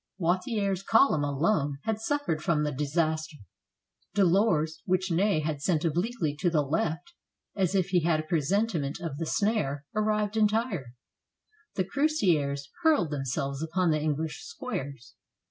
Wathier's column alone had suffered from the disas ter; Delord's which Ney had sent obliquely to the left, as if he had a presentiment of the snare, arrived entire. The cuirassiers hurled themselves upon the English squares.